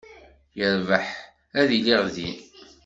Yerbeḥ, ad iliɣ din.